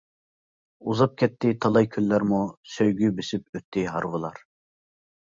ئۇزاپ كەتتى تالاي كۈنلەرمۇ، سۆيگۈ بېسىپ ئۆتتى ھارۋىلار.